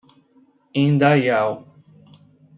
Indaial